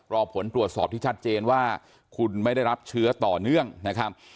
รอผลตรวจสอบที่ชัดเจนว่าคุณไม่ได้รับเชื้อต่อเนื่องนะครับ